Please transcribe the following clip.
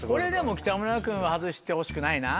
北村君は外してほしくないなぁ。